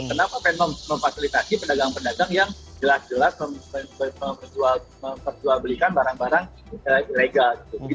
kenapa mau memfasilitasi pendagang pendagang yang jelas jelas memperjualbelikan barang barang ilegal